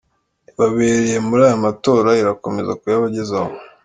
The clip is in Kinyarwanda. ibabereye muri aya matora irakomeza kuyabagezaho.